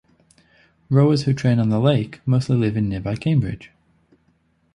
Rowers who train on the lake mostly live in nearby Cambridge.